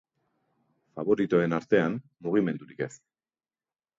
Faboritoen artean, mugimendurik ez.